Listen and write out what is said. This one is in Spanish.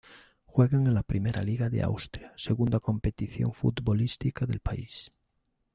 Juega en la Primera Liga de Austria, segunda competición futbolística del país.